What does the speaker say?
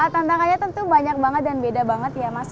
tantangannya tentu banyak banget dan beda banget ya mas